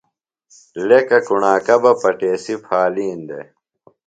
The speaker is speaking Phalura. لیکہ کُݨاکہ بہ پٹیسی پھالِین دےۡ۔